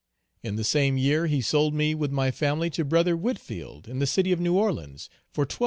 In the same year he sold me with my family to "Bro." Whitfield, in the city of New Orleans, for $1200.